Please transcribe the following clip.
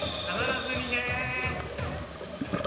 必ずにね！